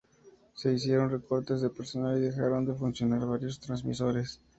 Se hicieron recortes de personal y dejaron de funcionar varios transmisores.